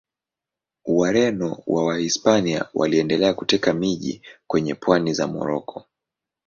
Wareno wa Wahispania waliendelea kuteka miji kwenye pwani za Moroko.